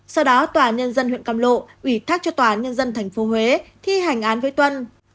sau đó tòa nhân dân huyện càm lộ ủy thác cho tòa nhân dân thành phố huế thi hành án với tuân